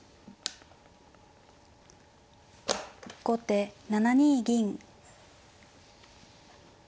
後手７二銀。